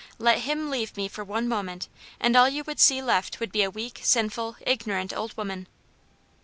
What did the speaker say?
Let him leave me for one moment, and all you would see left would be a weak, sinful, ignorant old woman."